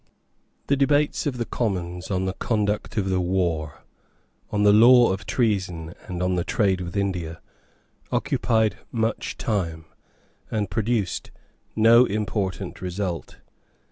The debates of the Commons on the conduct of the war, on the law of treason and on the trade with India, occupied much time, and produced no important result.